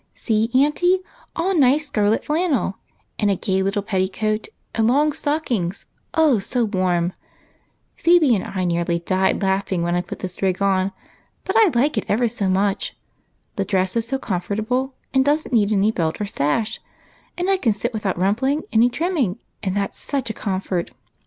" See, auntie, all nice scarlet flannel, and a gay little petticoat, and long stockings, oh, so warm! Phebe and I nearly died laughing when I put this rig on, but I like it ever so much. The dress is so comfortable, and does n't need any belt or sash, and I can sit with out rumpling any trimming, that 's such a comfort